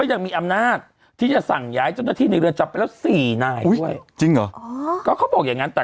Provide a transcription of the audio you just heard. หรอแม่มันติดไปทำไมแม่ถ้าเกิดสักครั้งนั้นน่ะ